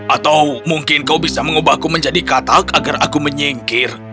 atau mungkin kau bisa mengubahku menjadi katak agar aku menyingkir